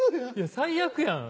最悪やん。